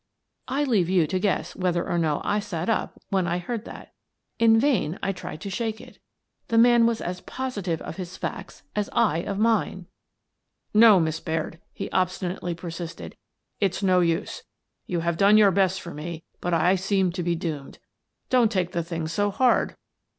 I leave you to guess whether or no I sat up when I heard that. In vain I tried to shake it. The man was as positive of his facts as I of mine. " No, Miss Baird," he obstinately persisted, " it's no use. You have done your best for me, but I seem to be doomed. Now don't take the thing so hard."